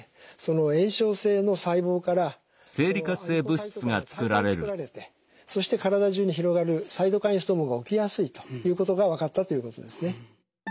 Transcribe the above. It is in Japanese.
炎症性の細胞からアディポサイトカインが大量に作られてそして体中に広がるサイトカインストームが起きやすいということが分かったということですね。